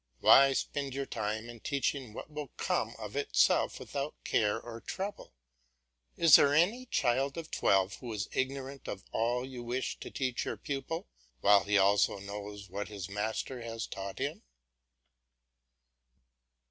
Why spend your time in teaching what will come of itself without care or trouble? Is there any child of twelve who is ignorant of all you wish to teach your pupil, while he also knows what his master has taught him."